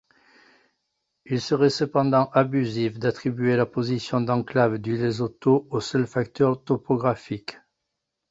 Il serait cependant abusif d'attribuer la position d'enclave du Lesotho au seul facteur topographique.